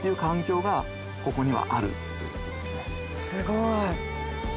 すごい！